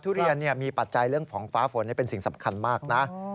ทุเรียนมีปัจจัยเรื่องของฟ้าฝนเป็นสิ่งสำคัญมากนะ